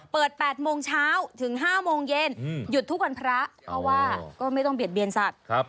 ๘โมงเช้าถึง๕โมงเย็นหยุดทุกวันพระเพราะว่าก็ไม่ต้องเบียดเบียนสัตว์